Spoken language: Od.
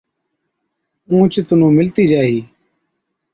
اُونهچ تنُون مِلتِي جاهِي۔